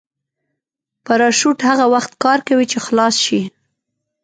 پراشوټ هغه وخت کار کوي چې خلاص شي.